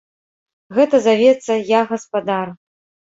Гэта завецца, я гаспадар.